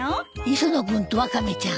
磯野君とワカメちゃん